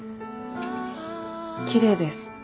きれいです。